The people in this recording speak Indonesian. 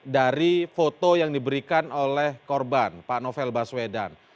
dari foto yang diberikan oleh korban pak novel baswedan